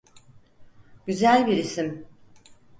Güzel bir isim.